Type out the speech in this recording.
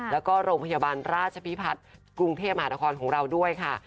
แล้วก็โรงพยาบาลราชพิพัฒน์กรุงเทพมหานครของเราด้วยค่ะ